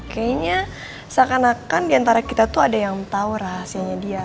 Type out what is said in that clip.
kayaknya seakan akan diantara kita tuh ada yang tahu rahasianya dia